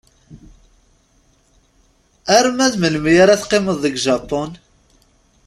Arma d melmi ara teqqimeḍ deg Japun?